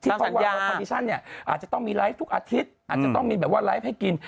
เขาวางรถคอดิชั่นเนี่ยอาจจะต้องมีไลฟ์ทุกอาทิตย์อาจจะต้องมีแบบว่าไลฟ์ให้กิน